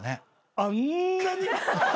あんなに。